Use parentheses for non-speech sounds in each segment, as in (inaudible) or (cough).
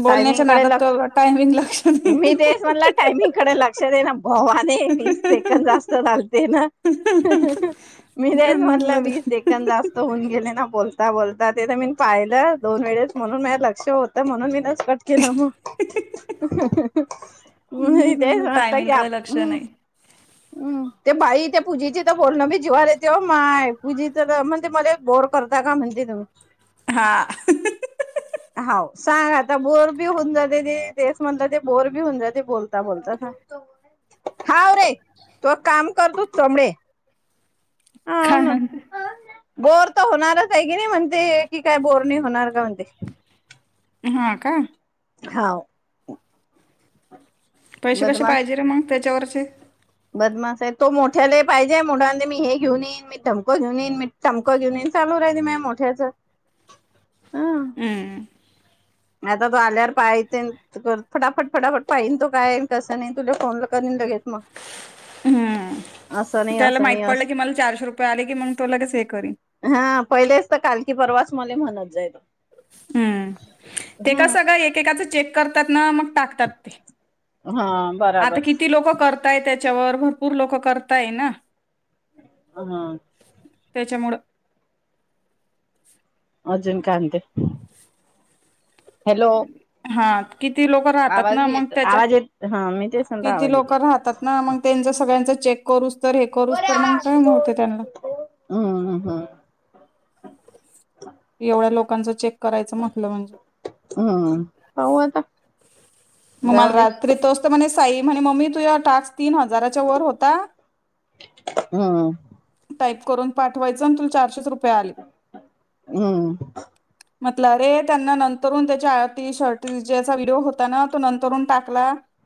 बोलण्याच्या टायमिंग कडे नादात लक्ष तो टायमिंग लक्ष मी नाही तेच म्हणल टायमिंगकडे लक्ष दे ना भवाने वीस सेकड जास्त चालते ना मी तेच म्हणल म्हटलं वीस सेकड जास्त होऊन गेले ना बोलत ता बोलता ते तर मी पाहिलं दोन वेळेस म्हणून मी शो होत म्हणून मी कट केला मग तेच म्हटता टायमिंग की कडे लक्ष हम्म नाही हम्म ते भाई पूजीच्या इथं बोललो मी (unintelligible) तेव माय पूजी तर म्हणते मला एक बोर करता का म्हणते तुम्ही हा. हा सांग आता बोर बी होऊन जाते ते तेस म्हणलं ते बोर बी होऊन जाते बोलता बोलता हाव रे तो काम करतोच तमणे हा ह बोर तर होणारच आहे की नाही म्हणते की काय बोर नाही होणार का म्हणते हा का हाव पैसे कसे बदमास पाहिजे रे मग त्याच्यावर ते बदमास आहे तो मोठ्याला पाहिजे मोठा मी हे घेऊन येईन मी धमक घेऊन येईन मी टमक घेऊन येईन चालू राहिले मने मोठ्याच हम्म आता तू आल्यावर पायचे फटाफट फटाफट पाहिन तो काय कसं नाही तुझ फोन करीन लगेच मग असं हम्म नाही त्याला असं माहित नाही पडलं असं की मला चारशे रुपये आले की मग तो लगेच हे करी की परवाच मले म्हणत जायल हम्म. ते का सगळ एकेका चेक करतात ना मग टाकतात ते हा बराबर आता किती लोक कर काय त्याच्यावर भरपूर लोक करताय ना हा त्याच्यामुळं अजून काय म्हणते हॅलो हा किती लोक राहतात आवाज ना मग येत त्याच्या आवाज येत हा मी तेच म्हणलं किती आवाज लोक येते. राहतात ना मग तेंच सग त्यांच चेक करूस तर हे करूस तर मग टाईम होते त्यांना हम्म हम्म एवढ्या लोकांचं चेक करायचं म्हटलं म्हणजे हम्म पाहू आता मग मला जाऊ दे रात्री तोच त म्हणे स म्हने मम्मी तुया टास्क तीन हजाराच्या वर होता. हम्म. टाईप करून पाठवायच ना तु चारशे रु हम्म. म्हटलं अरे त्यांना नंतरून त्याच्या आटी शर्ती ज्याचा व्हिडिओ होता ना तो नंतरुन टाकला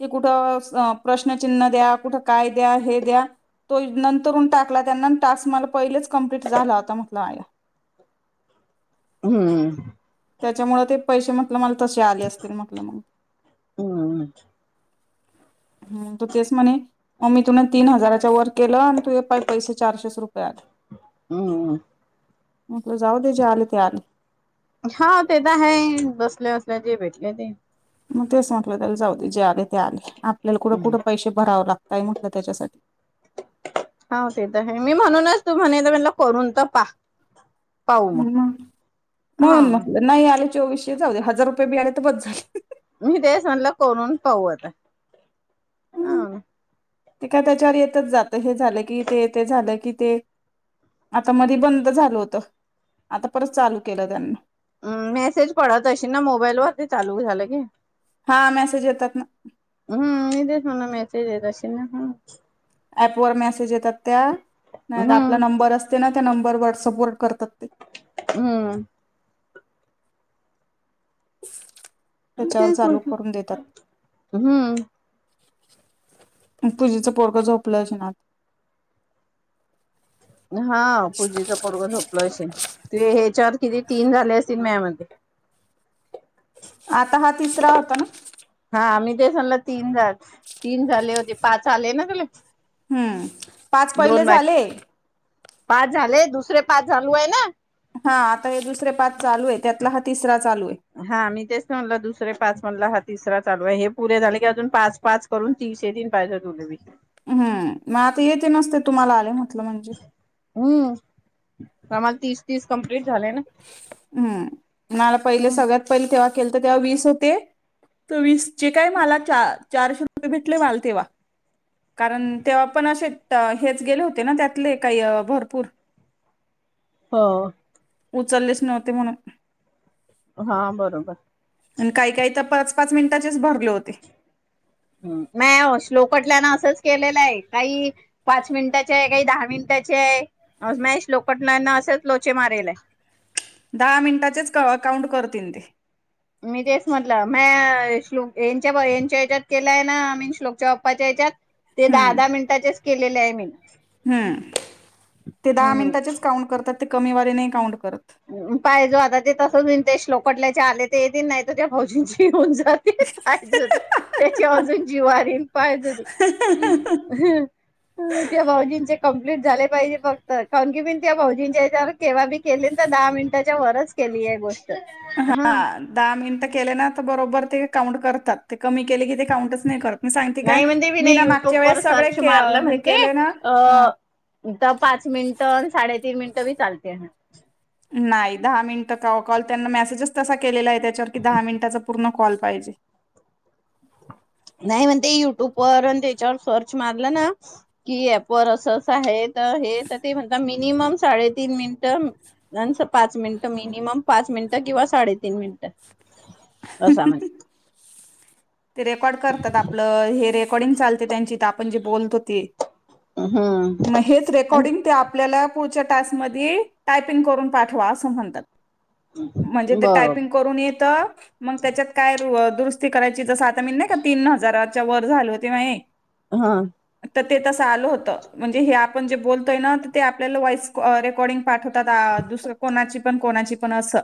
की कुठं स अ प्रश्नचिन्ह द्या कुठं काय द्या हे द्या तो नंतरुन टाकला त्यांना टास्क मला पहिलेच कम्प्लीट झाला होता म्हटलं आया. हम्म. त्याच्यामुळे ते पैसे म्हटलं मला तसे आले असतील म्हटलं मग. हम्म हम्म तो तेच म्हणे मम्मे तुन तीन हजाराच्या वर केलं आणि तूये पाय पैसे चारशे रुपये आले. हम्म. म्हटलं जाऊ दे जे आले ते आले. हाव ते त हाये बस. आपले असले की भेटले ते मग तेच म्हटलं त्याला जाऊ दे जे आले ते आले. आप पल्याला कुठं कुठं पैसे भरावं लागताय म्हटलं त्याच्यासाठी हाव ते तर आहे मी म्हणूनच तू म्हणे त करून तर पा. पाहू (unintelligible) मग हा म्हणून म्हटलं नाही आले- चोवीसशे जाऊदे हजार रुपये बी आले तर बस झाले. मी तेच म्हंटलं करून पाहू आता हम्म, हं ते काय त्याच्यावर येतच जात हे झालं की ते ते झालं की ते आता मधी बंद झालं होत. अ मेसेज पडत अशी ना मोबाईलवर ते चालू- झालं की हा मेसेज येतात ना. ते देत अशिल ना ह ॲपवर मेसेज येतात. त्या नायत आपला हम्म नंबर असतो ना- त्या नंबर व्हाट्सअप वर करतात. ते. हम्म (inaudible) तेच चालू करून देतात म्हटलं हूं पूजेचं पोरग झोपलं असेन आत- हा पूजेच पोरग झोपलं असेन. ते हे चार किती तीन झाले असतील मेह्या मते आता हा तिसरा होता ना हा मी तेच म्हणला तीन झाल तीन झाले होते पाच आले ना तुले- हम्म पाच पहिले झाले. पाच झाले दुसरे पाच झालू आहे ना हा आता हे दुसरे पाच चालू आहे त्यातला ह तिसरा चालू आहे हा मी तेच त म्हणटलं दुसरे पाच म्हणला हा तिसरा चालू आहे हे पुरे झाले की अजून पाच पाच करून तीनशे तीन पाहिजे तुले बी हम् मग आता येेते नसत तुम्हाला आले म लं म्हणजे हम्म आम्हाला तीस तीस कंम्प हम्म मला पहिले सगळ्यात पहिले तेव्हा केलंत तेव्हा वीस होते आता वीस जे काय मला च चारशे रू भेटले माला तेव्हा कारण तेव्हा पण असे हेच गेले होते ना त्यातले काही भरपूर हो उचललेच नव्हते म्हणून हा बरोबर आणि काही काही तर पाच पाच मिनिटाचेंच भरले होते. हम्म नाही आओ श्लोकटल्यांन असंच केलेलं आहे काही पाच मिनिटाचे आहे काही दहा मिनिटाचे आहे मये श्लोकटल्यांना असंच लोचे मारिलेय. दहा मिनिटाचेच का काउंट करतील ते मी तेच म्हटलं मये श्लोक यांच्या यांच्या हच्यात केलाय ना आ मीन श्लोकच्या बाप्पाच्या ह्याच्यात ते दहा हम्म दहा मिनिटाचेच केलेले आहेत. मिनं हम्म, ते दहा मिनटाचेच काउंट करतात. ते कमी वारी नाही काउंट करत पाहिजो आता ते तसच देश लोकटल्याच्या आले त येतीन नाही तर त्या फौजींची येऊन जा पाहिजे होतं, त्याची अजून जीवारी पाहिजे होतं, त्या भाऊजींच्या कंप्लीट झाले पाहिजे फक्त, काउन की मी त्या भाऊजींच्या हेज्यावर केवा बी केले न त दहा मिनिटाच्या वरच केली आहे गोष हा, दहा मिनटं केले ना तर बरोबर ते काउंट करतात कमी केले की ते काउंटच नाही करत मी सांगते काय नाही म्हणते मीनं मी ना मागच्या युट्यूबवर वेळेस सगळे सर्च के मारलं हे म्हणते केले ना अ त पाच मिनिटं आणि साडेतीन मि (unintelligible) नाही दहा मिनिटं कवा कॉल त्यांना मेसेजच तसा केलेला आहे त्याच्यावर की दहा मिनिटाचं पूर्ण कॉल पाहिजे. नाही म्हणते युट्यूबवर अन त्याच्यावर सर्च मारलं ना की, ऍपवर असं असं आहे तर हे येतं ते येतं ते म्हणते मिनिमम साडेतीन मिनिटं (unintelligible) पाच मिनिटं मिनिमम पाच मिनिटं किंवा साडेतीन मिनिटं (unintelligible) ते रेकॉर्ड करतात आपलं हेे रे कॉर्डींग चालते त्यांची त्या आपण जे बोलतो ते. हम्म मग हेच रेकॉर्डिंग ते आपल्याला पुढच्या टास्कमध्ये टायपिंग करून पाठवा असं म्हणतात. म्हणजे ते बरोबर टायपिंग करून ये त मग त्याच्यात काय र दुरुस्ती करा (unintelligible) (unintelligible) नाही का तीन हजारात च्या वर (unintelligible) हां. तर ते तसं आलं होतं, म्हणजे हे आपण जे बोलतोय ना ते आपल्याला वॉइस रेकॉर्डिंग पाठवतात आ दुसरं कोणाची पण कोणाची पण असं.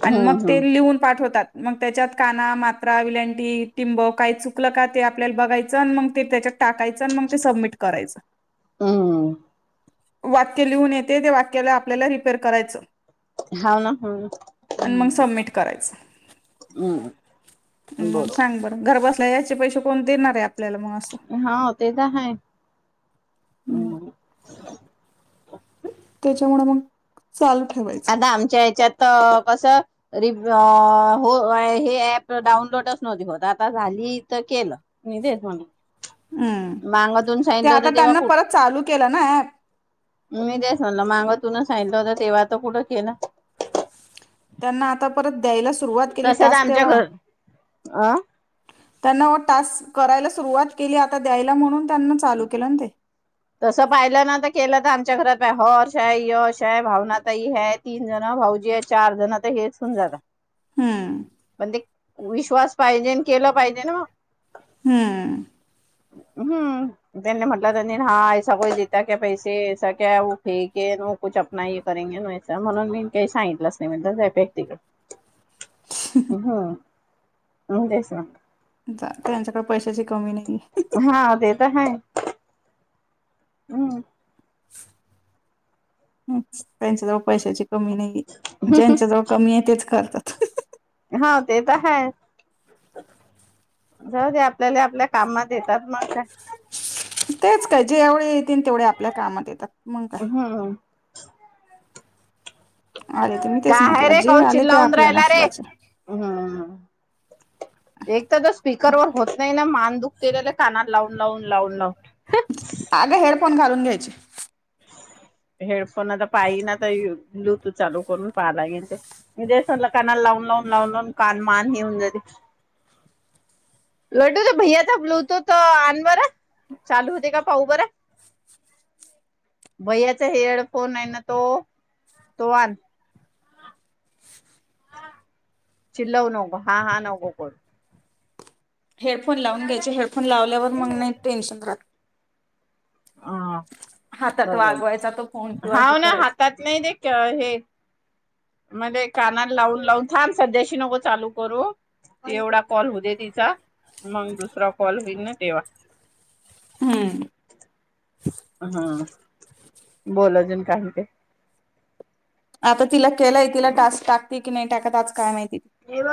आणि हम्म मग हम्म ते लिहून पाठवतात. मग त्याच्यात काना, मात्रा, विल टी टिम्ब, काय चुकलं का ते आपल्याला बघायचं अन मग त्याच्यात टाकायचं मग ते सबमिट करायचं. हम्म वाक्य लिहून येते त्या वाक्याला आपल्याला रिपेर करायचं. हाव ना, हम्म आणि मग हम्म. सबमिट हम्म ग बरोबर सांग बरं घर ब ल याचे पैसे कोण देणार आहेत हा ते तर है हम्म. त्याच्यामुळे मग चाल आता आमच्या ह्याच्यात कसं र हो हे ऍप डाऊनलोडच नव्हती होत आता झाली तर केलं म तेच म्हणून हम्म ते आता त्यांना कुठ परत चालू केलं ना ऍप मी देस म्हलं माग तुून सांगितलं होत तेव्हा तर कुठं केलं त्यांना आता परत द्यायलाच सुरुवात केली तसंच तास आमच्या तेव्हा घर अ त्यांना तास करायला सुरुवात केली आता द्यायला म्हणून त्यांना चालू केलं ना ते त्याच्या घरात ह शाय य शाय भावना त ह ह तीन जण भाऊजी आहे चार जण तर हेच होण जात हम्म म्हंदे विश्वास पाहिजे केला पाहिजे ना म हम्म हम्म त्यांनी म्हटलं तर हा को दता क पैसे क्या फेके कु आप ये करेे म्हणून मी काही सांगितलंच नाही म्हणक्त हम्म हम् तेश ना त्यांच्याकडे पैशाची कमी नाही हा ते तर हाय हम्म त्यांच्या तर पैशाची कमी नाही ज्यांच्या जवळ कमी आहे तेच करतात हा ते तर ह जाऊ आपल्याला आपल्या कामात येतात मग काय तेच काय जी यावळी तेवढ्या आपल्या कामात येतात मग काय हम्म आले ते मी का तेच आहे म्हटलं रे जे कण आले ते चवंदर आपल्या आहेला रे नशिबाचे हम्म एक तर तर स्पीकरवर होत नाही ना मान दुख केलेले कानात लावून लावून लावून लाव अगं हेडफोन घालून घ्यायच अज हेडफोन आता पाई ना तर ब्लूतूथ चालू करून पाहालागेल ते म्हलं कानाला लावून लावून लावून लावून कान मान हेऊन जाते लटू तर भय आता ब्लूतूथ आण बर चालू होते का पाह बर भयाचा हेडफोन आहे ना तो तो वान चिल्लव नो हा हा नघो को हेडफोन लावून घ्यायचे हेडफोन लावल्यावर मग नाही टेन्शन राहत ह हातात वागवायचा तो फोन बरोबर किंवा हे हाव ना करायचं हातात नाही ते हे मध्ये काना लावून लावून छान सध्याशी नको चालू करू एवढा कॉल हो दे तिचा मग दुसरा कॉल होईल ना तेव्हा हम्म बोला अजून काही ते आता तिला केलाय तिला टास्क टाक ी नाही टाकत आज काय माहि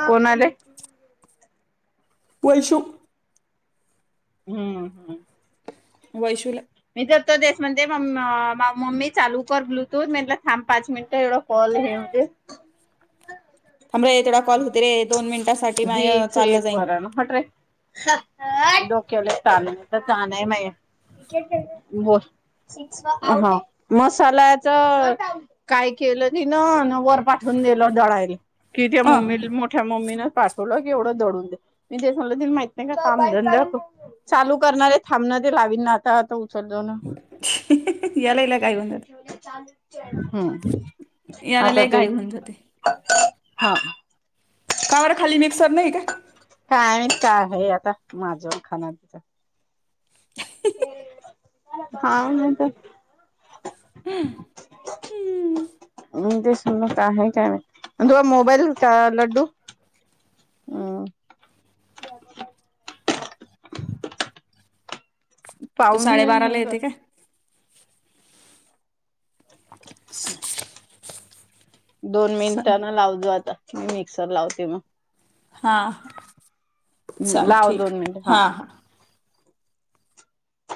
कोण आले पैश हम्म हम्म वैशल मी तरतो देश म्हण ते म मम्मी चालू कर ब्लूतूथ म ाम पाच मिनट एवढ कॉल हेतेे थोा कॉल होततीे हेच एक वरण म्हट रे म का के वर पाठवून दिल जळाल कितीे अ मम्मी मोठ्या मम्मीन पाठवलं की एवढं दडून दे मी ते सग माहित नाही कामधंद चालू करणारे थांबणं ते लावीन ना आताता सव ना याला हिला घाई होऊन जाते हम् याला आता लय ते घाई होऊन जाते हा कमर खाली नि काय आणि का आहे आता माझं खाना तिचा ह हा तर ह हम्म तर ते का काय तु मोबाईल का लड्डू हम् तू साडेबारा ला कर येते का ब दोन मिनिटांना लावतो आता मिक्सर लावते मग हां चाल लाव ठीक दोन मिनिटे हा हां